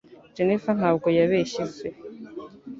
Jennifer ntabwo yabeshye se.